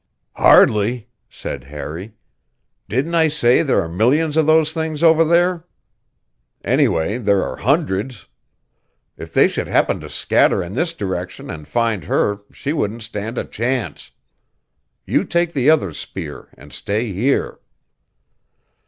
"Hardly," said Harry. "Didn't I say there are millions of those things over there? Anyway, there are hundreds. If they should happen to scatter in this direction and find her, she wouldn't stand a chance. You take the other spear and stay here."